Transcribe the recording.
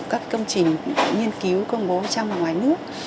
các công trình nghiên cứu công bố trong và ngoài nước